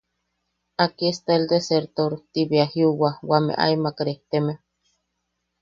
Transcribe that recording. –Aquí está el desertor– Ti bea jiuwa wameʼe aemak rejteme.